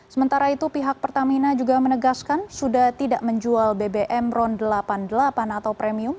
sementara itu pihak pertamina juga menegaskan sudah tidak menjual bbm ron delapan puluh delapan atau premium